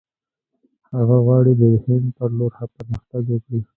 هغه غواړي د هند پر لور پرمختګ وکړي.